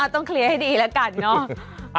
ต้องเคลียร์ให้ดีแล้วกันเนอะ